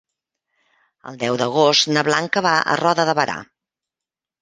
El deu d'agost na Blanca va a Roda de Berà.